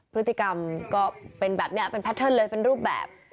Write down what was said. พฤติกรรมก็เป็นแบบนี้เป็นแพทเทิร์นเลยเป็นรูปแบบ